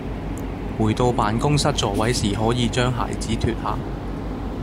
回到辦公室座位時可以將鞋子脫下